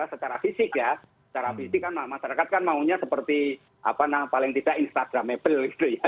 secara fisik ya secara fisik kan masyarakat kan maunya seperti paling tidak instagramable gitu ya